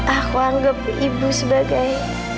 aku anggap ibu sebagai